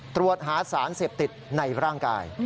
ตรวจหาสารเสพติดในร่างกาย